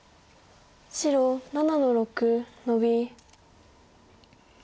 白７の六ノビ。